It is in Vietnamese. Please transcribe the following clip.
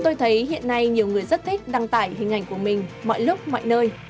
tôi thấy hiện nay nhiều người rất thích đăng tải hình ảnh của mình mọi lúc mọi nơi